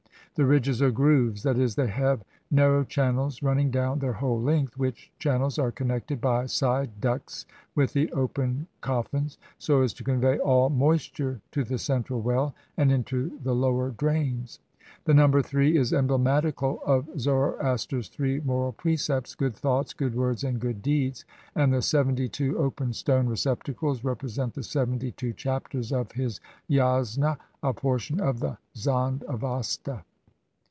The ridges are grooves — that is, they have nar row channels running down their whole length, which channels are connected by side ducts with the open cof fins, so as to convey all moisture to the central well, and into the lower drains. The number three is emblemati cal of Zoroaster's three moral precepts, " Good thoughts, good words, and good deeds," and the seventy two open stone receptacles represent the seventy two chapters of his Yasna, a portion of the Zand Avasta.